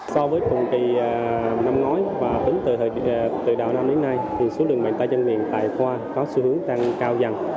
so với cùng kỳ năm ngoái và từ đầu năm đến nay thì số lượng bệnh tay chân miệng tại khoa có xu hướng tăng cao dần